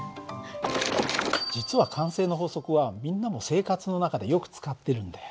実は慣性の法則はみんなも生活の中でよく使ってるんだよ。